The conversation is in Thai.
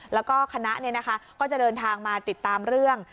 แล้วก็คณะก็จะเดินทางมาติดตามเรื่อง